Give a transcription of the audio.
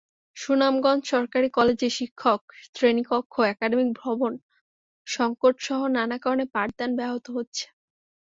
সুনামগঞ্জ সরকারি কলেজে শিক্ষক, শ্রেণীকক্ষ, একাডেমিক ভবন সংকটসহ নানা কারণে পাঠদান ব্যাহত হচ্ছে।